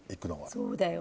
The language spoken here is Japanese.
そうだよね。